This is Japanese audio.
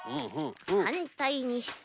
はんたいにして。